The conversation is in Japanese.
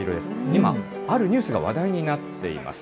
今あるニュースが話題になっています。